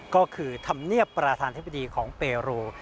ก็คือธรรมเนียบประธานธิบดีของเปรู